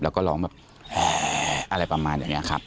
แล้วก็ร้องแบบอะไรประมาณอย่างนี้ครับ